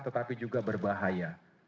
tetapi juga berbahaya